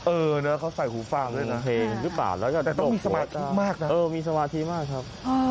เออนะเขาใส่หูฟ้ามด้วยนะแต่ต้องมีสมาธิมากนะเออมีสมาธิมากครับ